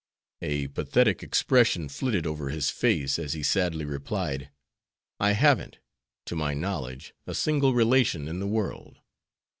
A pathetic expression flitted over his face, as he sadly replied, "I haven't, to my knowledge, a single relation in the world.